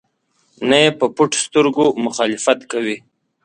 نه یې په پټو سترګو مخالفت کوي.